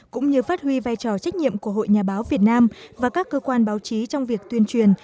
cũng như phát huy vai trò trách nhiệm của hội nhà báo việt nam và các cơ quan báo chí trong việc tuyên truyền